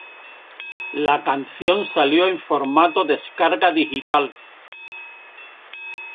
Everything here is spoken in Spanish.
La canción salió en formato de descarga digital.